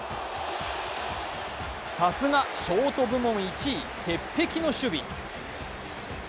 さすがショート部門１位鉄壁の守備。